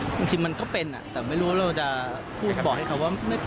บางทีมันก็เป็นแต่ไม่รู้ว่าเราจะบอกให้เขาว่า